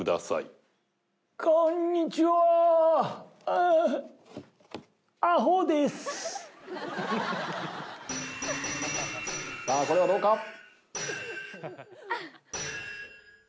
さあこれはどうか？